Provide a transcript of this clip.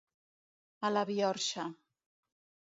A la biorxa.